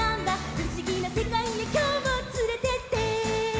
「ふしぎなせかいへきょうもつれてって！」